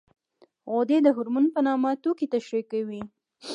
غدې د هورمون په نامه توکي ترشح کوي.